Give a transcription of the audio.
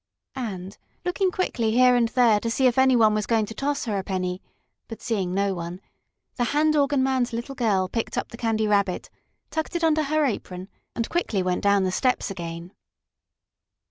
And, looking quickly here and there to see if any one was going to toss her a penny, but seeing no one, the hand organ man's little girl picked up the Candy Rabbit, tucked it under her apron, and quickly went down the steps again.